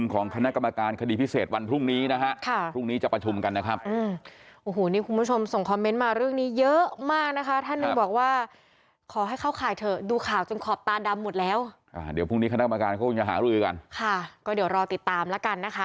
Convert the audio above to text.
ก็เดี๋ยวรอติดตามแล้วกันนะคะ